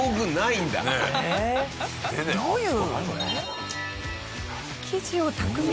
どういう？